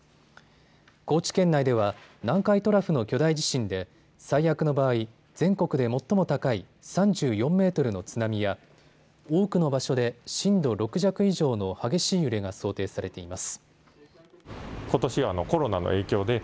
高知県内では南海トラフの巨大地震で最悪の場合、全国で最も高い３４メートルの津波や多くの場所で震度６弱以上の激しい揺れが想定されています。